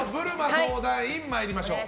相談員、参りましょう。